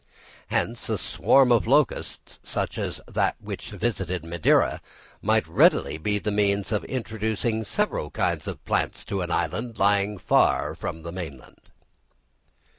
Hence a swarm of locusts, such as that which visited Madeira, might readily be the means of introducing several kinds of plants into an island lying far from the mainland.